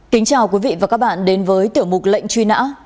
kính chào quý vị và các bạn đến với tiểu mục lệnh truy nã